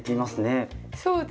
そうですね。